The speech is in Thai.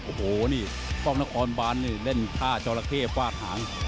ยัชโมโสกตะกอนบ่านนี่เล่นท่าจอระเก้พลาดหาง